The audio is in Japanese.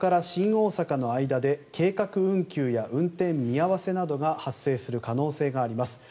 大阪の間で計画運休や運転見合わせなどが発生する可能性があります。